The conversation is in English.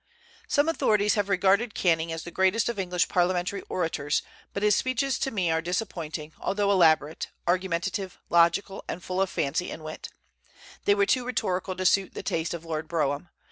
Some authorities have regarded Canning as the greatest of English parliamentary orators; but his speeches to me are disappointing, although elaborate, argumentative, logical, and full of fancy and wit. They were too rhetorical to suit the taste of Lord Brougham.